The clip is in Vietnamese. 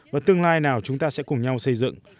và tương lai nào chúng ta sẽ cùng nhau xây dựng